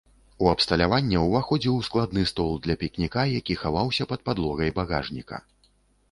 У абсталяванне ўваходзіў складны стол для пікніка, які хаваўся пад падлогай багажніка.